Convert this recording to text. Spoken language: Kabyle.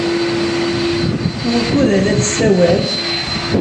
Wukud ay la tessawal?